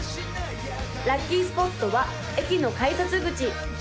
・ラッキースポットは駅の改札口